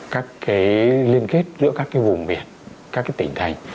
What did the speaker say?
các cái liên kết giữa các cái vùng biển các cái tỉnh thành